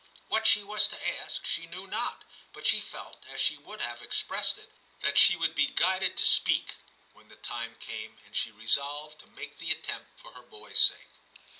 What she was to ask, she knew not ; but she felt, as she would have . expressed it, 'that she would be guided to speak ' when the time came, and she resolved to make the attempt for her boy's sake.